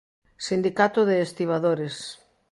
Sindicato de estibadores.